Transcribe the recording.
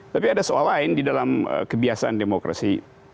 tapi ada soal lain di dalam kebiasaan demokrasi